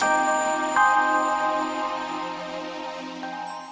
gak ada yang bisa dihukum